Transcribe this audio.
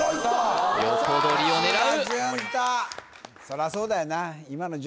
そらそうだよな